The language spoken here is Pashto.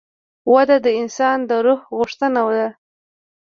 وده د انسان د روح غوښتنه ده.